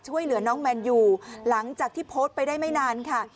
ช่วยเหลือน้องแมนยูหลังจากที่โพสต์ไปได้ไม่นานค่ะ